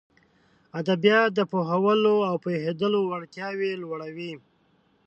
ادبيات د پوهولو او پوهېدلو وړتياوې لوړوي.